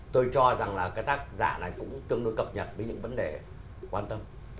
tôi cho rằng là cái tác giả này cũng tương đối cập nhật với những vấn đề quan tâm